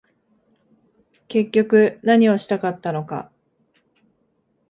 結局何をしたかったのか